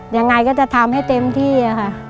ยังไงก็จะทำให้เต็มที่ค่ะ